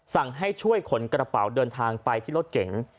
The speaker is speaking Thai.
สั่งให้ช่วยขนกระเป๋าเดินทางไปที่รถเก๋ง